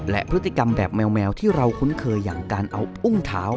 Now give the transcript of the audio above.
และพฤติกรรมแบบแมวที่เราคุ้นเคยอย่างการเอาอุ้งเท้า